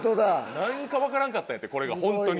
なんかわからんかったんやってこれがホントに。